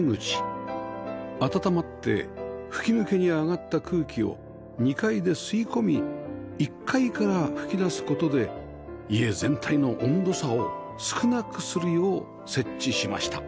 温まって吹き抜けに上がった空気を２階で吸い込み１階から吹き出す事で家全体の温度差を少なくするよう設置しました